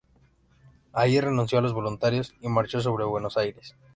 Allí reunió a los voluntarios y marchó sobre Buenos Aires.